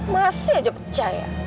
masih aja percaya